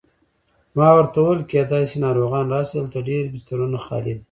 ما ورته وویل: کېدای شي ناروغان راشي، دلته ډېر بسترونه خالي دي.